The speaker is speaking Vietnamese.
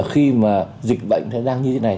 khi mà dịch bệnh thì đang như thế này